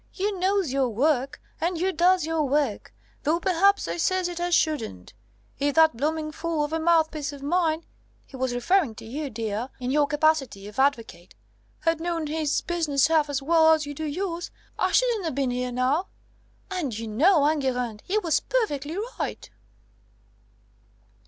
You knows your work, and you does your work though p'raps I ses it as shouldn't. If that blooming fool of a mouthpiece of mine' he was referring to you, dear, in your capacity of advocate 'had known his business half as well as you do yours, I shouldn't a bin here now!' And you know, Enguerrand, he was perfectly right."